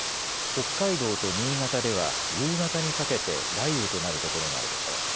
北海道と新潟では夕方にかけて雷雨となる所があるでしょう。